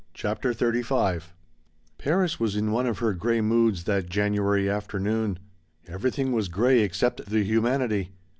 CHAPTER XXXV Paris was in one of her gray moods that January afternoon. Everything was gray except the humanity.